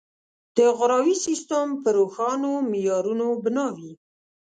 د غوراوي سیستم په روښانو معیارونو بنا وي.